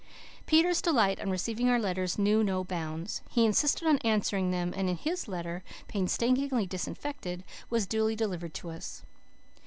Peter's delight on receiving our letters knew no bounds. He insisted on answering them and his letter, painstakingly disinfected, was duly delivered to us.